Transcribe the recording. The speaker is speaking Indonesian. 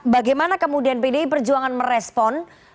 bagaimana kemudian pdi perjuangan merespon